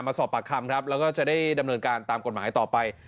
มาสอบปากคำครับแล้วก็จะได้ดำเนินการตามกฎหมายต่อไป